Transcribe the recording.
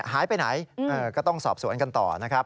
หายไปไหนก็ต้องสอบสวนกันต่อนะครับ